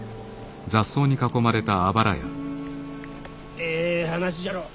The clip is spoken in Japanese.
ええ話じゃろう。